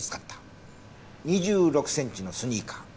２６センチのスニーカー。